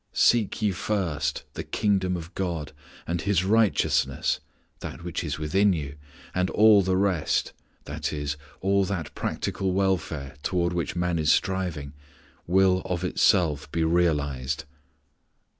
"Seek ye first the Kingdom of God and His righteousness (that which is within you), and all the rest i.e. all that practical welfare toward which man is striving will of itself be realized."